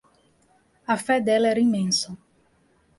A fé dela era imensa.